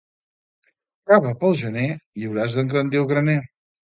Cava pel gener i hauràs d'engrandir el graner.